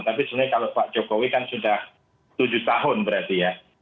tapi sebenarnya kalau pak jokowi kan sudah tujuh tahun berarti ya